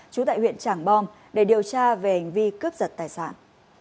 trú tại huyện trảng bom để điều tra về hành vi cướp giật tài sản